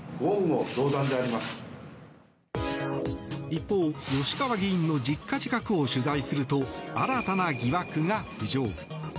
一方、吉川議員の実家近くを取材すると新たな疑惑が浮上。